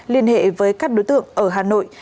liên hệ với các đối tượng ở hà nội